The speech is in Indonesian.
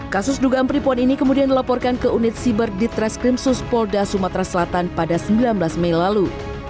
kasus dugaan penipuan ini kemudian dilaporkan ke unit siber ditreskrimsus polda sumatera selatan pada sembilan belas mei lalu